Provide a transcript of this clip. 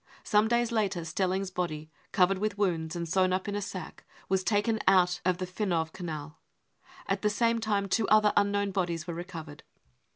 Some days later Stelling's body, covered with wounds, and sewn up in a sack, was taken out of the Finow Canal. At the same time two other unknown bodies were recovered.